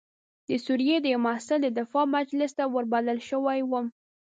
د سوریې د یوه محصل د دفاع مجلس ته وربلل شوی وم.